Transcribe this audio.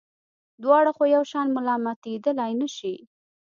دواړه خو یو شان ملامتېدلای نه شي.